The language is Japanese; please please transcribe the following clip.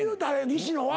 西野は。